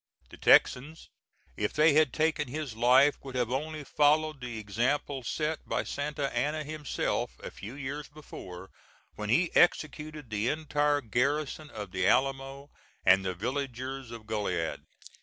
The Texans, if they had taken his life, would have only followed the example set by Santa Anna himself a few years before, when he executed the entire garrison of the Alamo and the villagers of Goliad.